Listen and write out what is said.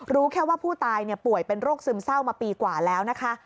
รู้แค่ว่าผู้ตายป่วยเป็นโรคซึมเศร้ามาปีกว่าแล้วนะคะ